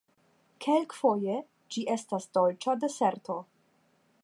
Kelkfoje, ĝi estas dolĉa deserto.